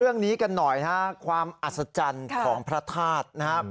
เรื่องนี้กันหน่อยนะฮะความอัศจรรย์ของพระธาตุนะครับ